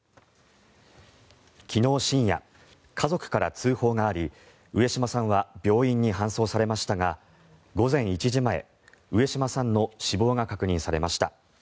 昨日深夜家族から通報があり上島さんは病院に搬送されましたが午前１時前上島さんの死亡が確認されました。